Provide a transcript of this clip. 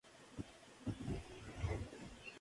Por ejemplo:Teorema.